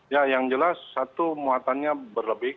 ya yang jelas satu muatannya berlebih